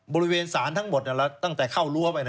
บริเวณศาลทั้งหมดตั้งแต่เข้ารั้วไป